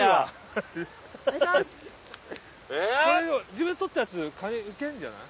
自分で捕ったやつカニいけんじゃない？